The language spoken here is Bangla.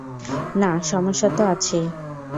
না, সমস্যা তো আছেই।